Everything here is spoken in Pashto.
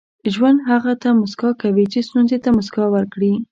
• ژوند هغه ته موسکا کوي چې ستونزې ته موسکا ورکړي.